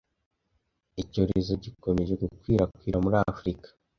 Icyorezo gikomeje gukwirakwira muri Afurika.